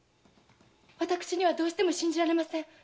私はどうしても信じられません。